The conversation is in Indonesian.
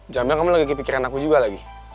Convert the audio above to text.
jamnya kamu lagi kepikiran aku juga lagi